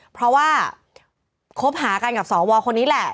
เพราะว่าคบหากันกับสวคนนี้แหละ